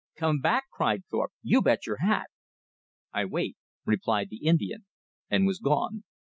"Come back!" cried Thorpe. "You bet your hat!" "I wait," replied the Indian, and was gone.